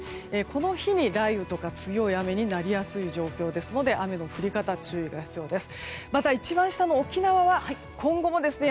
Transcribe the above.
この日に雷雨とか強い雨になりやすい状況ですので雨の降り方、注意が必要です。